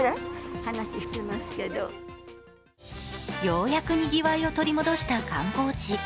ようやくにぎわいを取り戻した観光地。